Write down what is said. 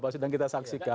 sedang kita saksikan